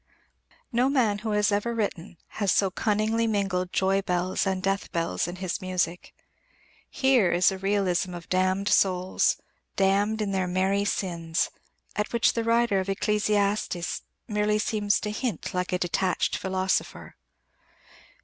No man who has ever written has so cunningly mingled joy bells and death bells in his music. Here is a realism of damned souls damned in their merry sins at which the writer of Ecclesiastes merely seems to hint like a detached philosopher.